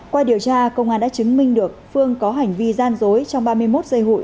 qua điều tra công an đã chứng minh được phương có hành vi gian dối trong ba mươi một giây hụi